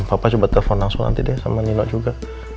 papa coba telepon langsung nanti deh sama nino juga